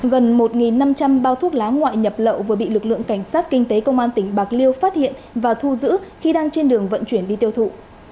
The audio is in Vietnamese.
gần một năm trăm linh bao thuốc lá ngoại nhập lậu vừa bị lực lượng cảnh sát kinh tế công an tỉnh bạc liêu phát hiện và thu giữ khi đang trên đường vận chuyển đi tiêu thụ